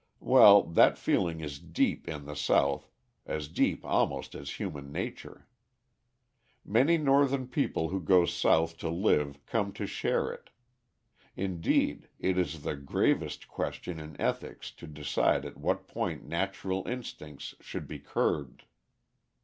Well, that feeling is deep in the South, as deep almost as human nature. Many Northern people who go South to live come to share it; indeed, it is the gravest question in ethics to decide at what point natural instincts should be curbed.